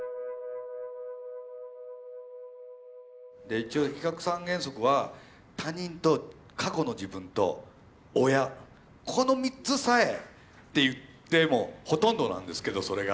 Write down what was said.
一応比較三原則は他人と過去の自分と親この３つさえって言ってもほとんどなんですけどそれが。